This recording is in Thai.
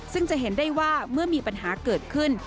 ซึ่งจะเห็นได้ว่าเมื่อมีปัญหาเกิดขึ้น